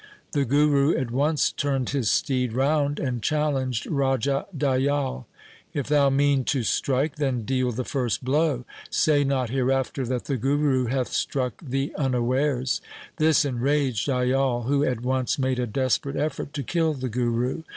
The Guru at once turned his steed THE SIKH RELIGION round and challenged Raja Dayal, ' If thou mean to strike, then deal the first blow. Say not hereafter that the Guru hath struck thee unawares.' This enraged Dayal, who at once made a desperate effort to kill the Guru.